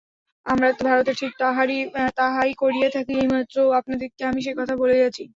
আমরা ভারতে ঠিক তাহাই করিয়া থাকি, এইমাত্র আপনাদিগকে আমি সে-কথা বলিয়াছি।